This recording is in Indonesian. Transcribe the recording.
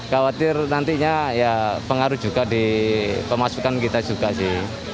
khawatir nantinya ya pengaruh juga di pemasukan kita juga sih